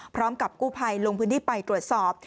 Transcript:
พร้อมกับกู้ภัยลงพื้นที่ไปตรวจสอบ